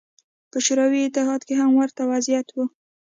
په شوروي اتحاد کې هم ورته وضعیت و.